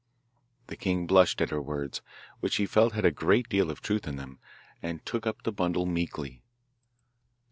The king blushed at her words, which he felt had a great deal of truth in them, and took up the bundle meekly.